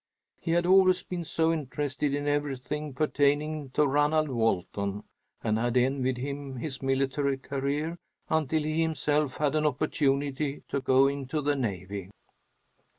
He had always been so interested in everything pertaining to Ranald Walton, and had envied him his military career until he himself had an opportunity to go into the navy.